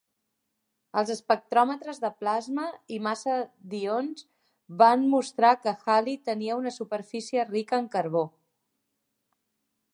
Els espectròmetres de plasma i massa de ions van mostrar que Halley tenia una superfície rica en carbó.